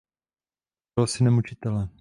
Byl synem učitele.